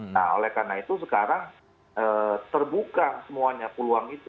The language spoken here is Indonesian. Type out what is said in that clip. nah oleh karena itu sekarang terbuka semuanya peluang itu